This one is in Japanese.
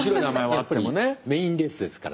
やっぱりメインレースですからね。